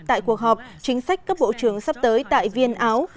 tại cuộc họp chính sách cấp bộ trưởng sắp tới tại viên áo